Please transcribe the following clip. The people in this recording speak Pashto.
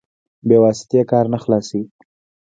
بې واسطې کار نه خلاصوي.